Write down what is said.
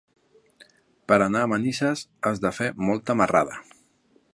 Per anar a Manises has de fer molta marrada.